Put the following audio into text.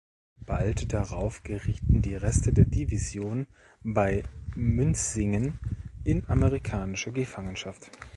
Bald darauf gerieten die Reste der Division bei Münsingen in amerikanische Gefangenschaft.